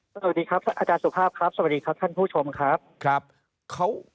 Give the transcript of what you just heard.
สวัสดีครับอาจารย์สุภาพครับสวัสดีครับท่านผู้ชมครับ